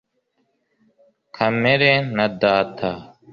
kamere na data